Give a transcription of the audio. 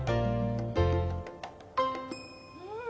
うん。